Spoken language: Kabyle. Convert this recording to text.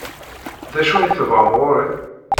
D acu ay tebɣam ɣer-i?